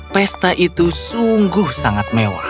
pesta itu sungguh sangat mewah